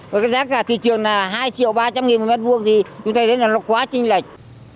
với cái giá cả thị trường là hai triệu ba trăm linh nghìn một m hai thì chúng ta thấy là nó quá trình lệch